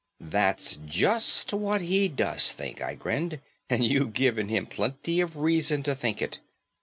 "That's just what he does think," I grinned, "and you've given him plenty of reason to think it.